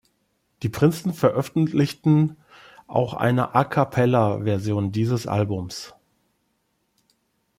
Die Prinzen veröffentlichten auch eine A-cappella-Version dieses Albums.